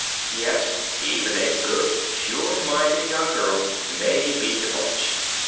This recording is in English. Yet even a good, pure minded young girl may be debauched.